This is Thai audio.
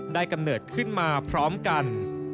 กำเนิดขึ้นมาพร้อมกัน